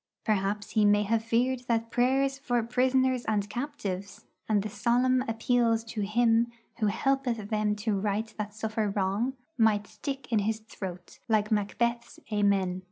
Perhaps he may have feared that prayers for 'prisoners and captives,' and the solemn appeals to Him 'who helpeth them to right that suffer wrong,' might stick in his throat like Macbeth's 'Amen.'